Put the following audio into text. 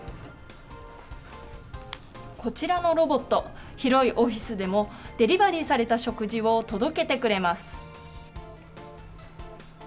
こちらのロボット、広いオフィスでも、デリバリーされた食事を届けてくれます。